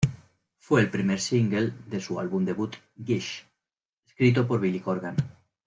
Fue el primer Single de su álbum debut "Gish", escrito por Billy Corgan.